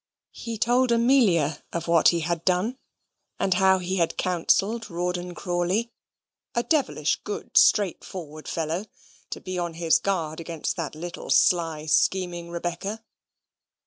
He told Amelia of what he had done, and how he had counselled Rawdon Crawley a devilish good, straightforward fellow to be on his guard against that little sly, scheming Rebecca.